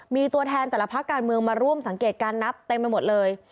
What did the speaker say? มีตัวแทนแต่ละภาคการเมืองมาร่วมสังเกตการนับเต็มไปหมดเลย